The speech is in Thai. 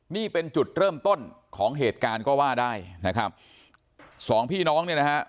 นี่เป็นจุดเริ่มต้นของเหตุการณ์ก็ว่าได้นะครับสองพี่น้องเนี่ยนะฮะ